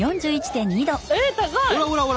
え高い！